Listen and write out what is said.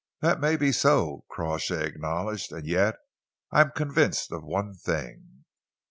"That may be so," Crawshay acknowledged, "and yet I am convinced of one thing.